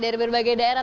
dari berbagai daerah